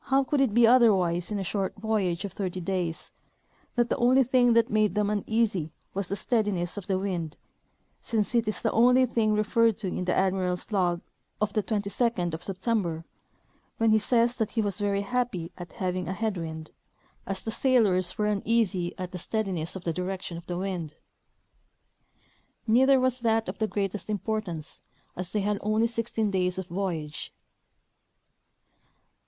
How could it be otherwise in a short voyage of thirty days that the only thing that made them uneasy Avas the steadiness of the wind, since it is the only thing referred to in the admiral's log of the 22d of September, when he says that he was very happy at having a head wind, as the sailors were uneasy at the steadi NohWtjj of Fcrrjinand and Isahdla. 185 ness of the direction of the wind ? Neither was that of the greatest importance, as they had only sixteen days of voyage.